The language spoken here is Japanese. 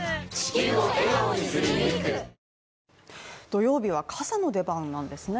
土曜日は傘の出番なんですね